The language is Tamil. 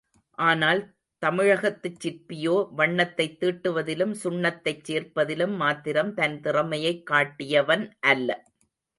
ஆனால், தமிழகத்துச் சிற்பியோ வண்ணத்தைத் தீட்டுவதிலும் சுண்ணத்தைச் சேர்ப்பதிலும் மாத்திரம் தன் திறமையைக் காட்டியவன் அல்ல.